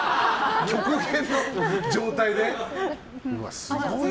極限の状態で。